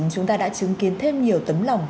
chúng ta đã chứng kiến thêm nhiều tấm lòng